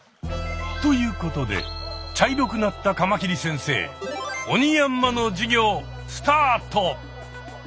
ということで茶色くなったカマキリ先生オニヤンマの授業スタート！